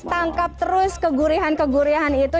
tangkap terus kegurihan kegurihan itu